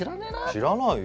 知らないよ。